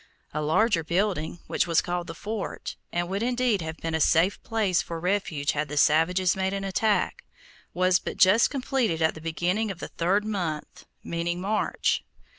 A larger building, which was called the fort, and would indeed have been a safe place for refuge had the savages made an attack, was but just completed at the beginning of the third month, meaning March.